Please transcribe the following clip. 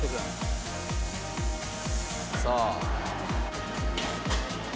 さあ。